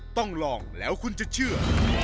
ต้องลองแล้วคุณจะเชื่อ